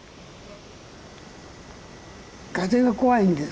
風が怖いんです。